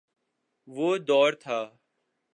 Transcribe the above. وہ دور تھا۔